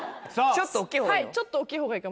ちょっと大っきい方がいいかも。